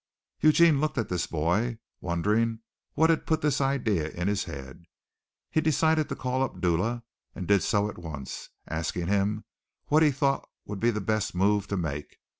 Eugene looked at this boy, wondering what had put this idea in his head. He decided to call up Dula and did so at once, asking him what he thought would be the best move to make.